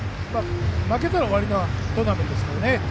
負けたら終わりのトーナメントですからね。